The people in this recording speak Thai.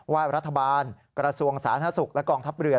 ว่ารัฐบาลกระทรวงสาธารณสุขและกองทัพเรือ